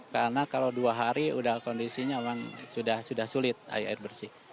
karena kalau dua hari kondisinya memang sudah sulit air bersih